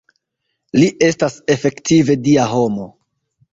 Li estas efektive Dia homo.